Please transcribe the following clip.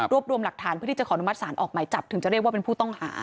รวมรวมหลักฐานเพื่อที่จะขออนุมัติศาลออกหมายจับถึงจะเรียกว่าเป็นผู้ต้องหา